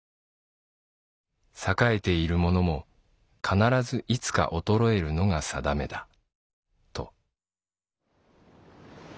栄えている者も必ずいつか衰えるのがさだめだと」。